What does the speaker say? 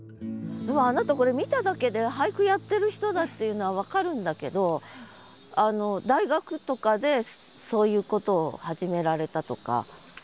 あなたこれ見ただけで俳句やってる人だっていうのは分かるんだけど大学とかでそういうことを始められたとか？